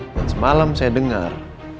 dan semalam saya dengar